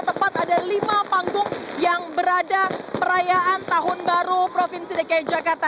tepat ada lima panggung yang berada perayaan tahun baru provinsi dki jakarta